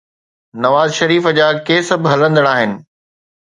نواز شريف جا ڪيس به هلندڙ آهن.